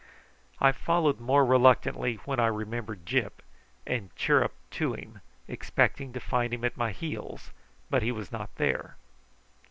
I followed more reluctantly when I remembered Gyp, and chirruped to him, expecting to find him at my heels, but he was not there.